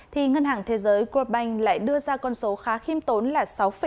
thì ngân hàng thế giới corld bank lại đưa ra con số khá khiêm tốn là sáu năm